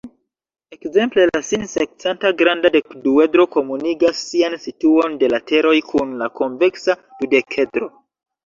Ekzemple la sin-sekcanta granda dekduedro komunigas sian situon de lateroj kun la konveksa dudekedro.